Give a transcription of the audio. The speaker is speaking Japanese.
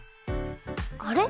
あれ？